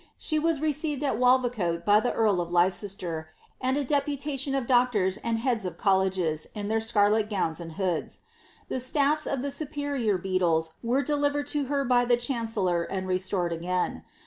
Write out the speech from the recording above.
She was received at Walvicote by the earl of Lei ster, and a deputation of doctors and heads of colleges in their scarlet govns and hoods. The stafli of the superior beadles were delivered to ber by the chancellor and restored again.